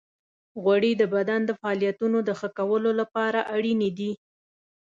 غوړې د بدن د فعالیتونو د ښه کولو لپاره اړینې دي.